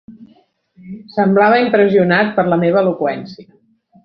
Semblava impressionat per la meva eloqüència.